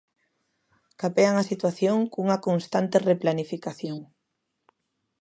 Capean a situación cunha constante replanificación.